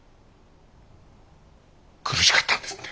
苦しかったんですね